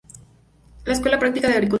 La Escuela Práctica de Agricultura